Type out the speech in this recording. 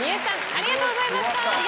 ありがとうございます。